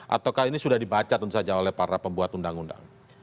ataukah ini sudah dibaca tentu saja oleh para pembuat undang undang